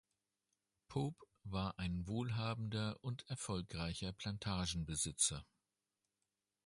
Pope war ein wohlhabender und erfolgreicher Plantagenbesitzer.